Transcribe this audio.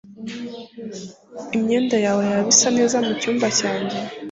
imyenda yawe yaba isa neza mu cyumba cyanjye